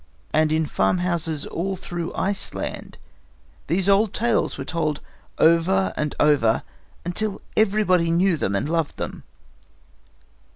And in farmhouses all through Iceland these old tales were told over and over until everybody knew them and loved them.